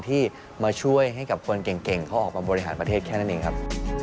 ที่มาช่วยให้กับคนเก่งเขาออกมาบริหารประเทศแค่นั้นเองครับ